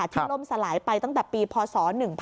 ที่ล้มสลายไปตั้งแต่ปีพศ๑๐๘๘